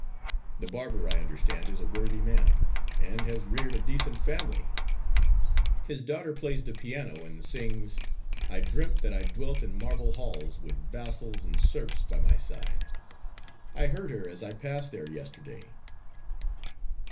The barber, I understand, is a worthy man, and has reared a decent family. His daughter plays the piano, and sings: 'I dreamt that I dwelt in marble halls, With vassals and serfs by my side.' I heard her as I passed there yesterday."